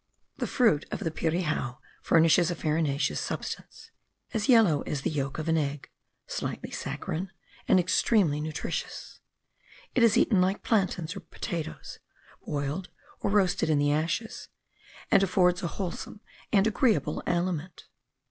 The fruit of the pirijao furnishes a farinaceous substance, as yellow as the yolk of an egg, slightly saccharine, and extremely nutritious. It is eaten like plantains or potatoes, boiled or roasted in the ashes, and affords a wholesome and agreeable aliment.